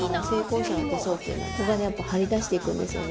ここがね張り出していくんですよね。